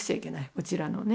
うちらのね